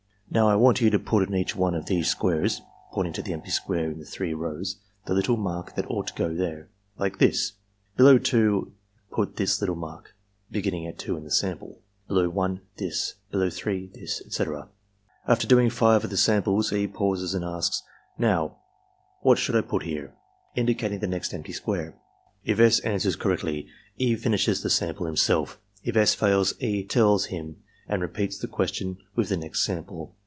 Now, I want you to put in each one of these squares (pointing to the empty squares in the three rows) the little mark that ought to go there, like this: Below 2 pvi this little mark (be ginning at 2 in the sample), below 1, this; below 3, this;^^ etc. EXAMINER*S GUIDE 113 After doing five of the samples E. pauses and asks: ''Now, what should I piU heref*' (indicating the next empty square). If S. answers correctly, E. finishes the samples himself; if S. fails, E. tells him and repeats the question with the next sample.